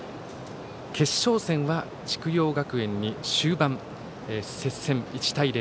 決勝戦は筑陽学園に終盤まで接戦、１対０。